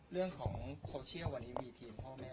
เรื่องของโซเชียลวันนี้มีทีมพ่อแม่